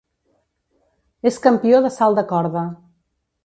És campió de salt de corda.